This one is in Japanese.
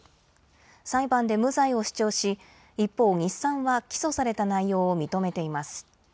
裁判で無罪を主張し、一方、日産は起訴された内容を認めています。